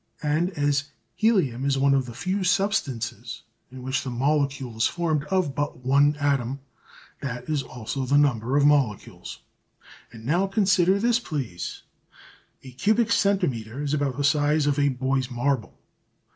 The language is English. And as helium is one of the few substances in which the molecule is formed of but one atom, that is also the number of molecules. And now consider this, please. A cubic centimetre is about the size of a boy's marble.